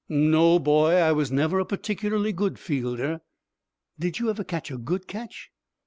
"No, boy. I was never a particularly good fielder." "Did you never catch a good catch?"